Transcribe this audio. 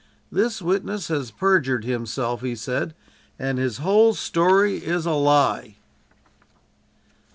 "This witness has perjured himself," he said, "and his whole story is a lie."